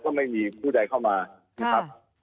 ก็ไม่มีผู้ใดเข้ามานะครับ